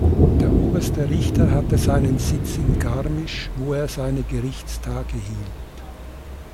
Der oberste Richter hatte seinen Sitz in Garmisch, wo er seine Gerichtstage hielt.